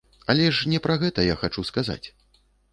Але ж не пра гэта я хачу сказаць.